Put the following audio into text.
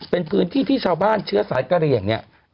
เป็นพื้นที่ที่ชาวบ้านเชื้อสายกระเหลี่ยงเนี่ย